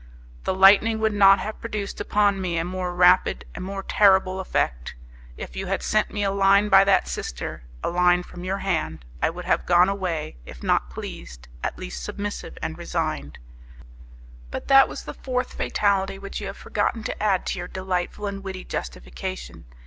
The lightning would not have produced upon me a more rapid, a more terrible effect! If you had sent me a line by that sister a line from your hand I would have gone away, if not pleased, at least submissive and resigned. "But that was a fourth fatality which you have forgotten to add to your delightful and witty justification.